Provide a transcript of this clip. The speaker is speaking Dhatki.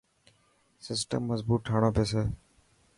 سسٽم مظبوت ٺاڻو پيسي.